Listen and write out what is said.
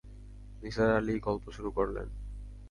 নিসার আলি গল্প শুরু করলেন।